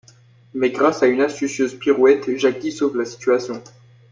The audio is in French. Mais grâce à une astucieuse pirouette, Jackie sauve la situation.